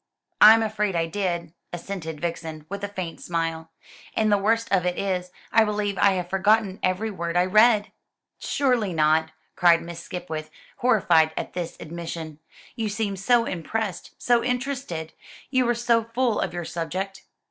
"I'm afraid I did," assented Vixen, with a faint smile; "and the worst of it is, I believe I have forgotten every word I read." "Surely not!" cried Miss Skipwith, horrified at this admission. "You seemed so impressed so interested. You were so full of your subject."